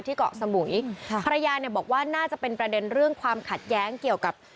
เกาะสมุยค่ะภรรยาเนี่ยบอกว่าน่าจะเป็นประเด็นเรื่องความขัดแย้งเกี่ยวกับ